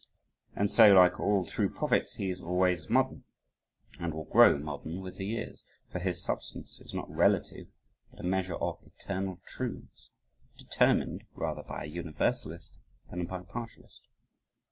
And so like all true prophets, he is always modern, and will grow modern with the years for his substance is not relative but a measure of eternal truths determined rather by a universalist than by a partialist.